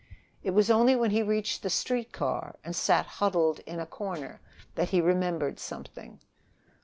It was only when he reached the street car, and sat huddled in a corner, that he remembered something.